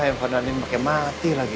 bahkan andien bakal mati lagi